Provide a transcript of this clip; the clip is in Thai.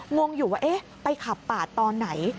งวงอยู่ว่าไปขับปาดตอนไหน